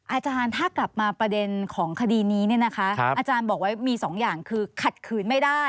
อาจารย์ถ้ากลับมาประเด็นของคดีนี้เนี่ยนะคะอาจารย์บอกว่ามีสองอย่างคือ